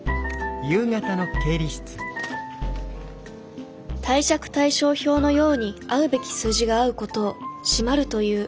心の声貸借対照表のように合うべき数字が合うことを「締まる」と言う。